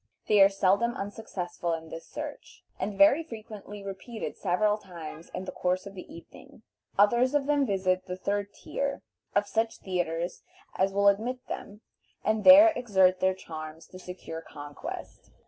They are seldom unsuccessful in this search, and very frequently repeat it several times in the course of the evening. Others of them visit the third tier of such theatres as will admit them, and there exert their charms to secure conquest.